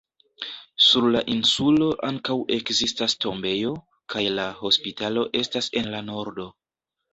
Sur la insulo ankaŭ ekzistas tombejo, kaj la hospitalo estas en la nordo.